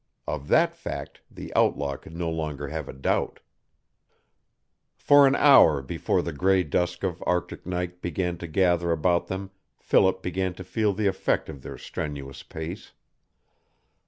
Of that fact the outlaw could no longer have a doubt. For an hour before the gray dusk of Arctic night began to gather about them Philip began to feel the effect of their strenuous pace.